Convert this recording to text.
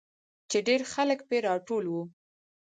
چې ډېرخلک پې راټول وو.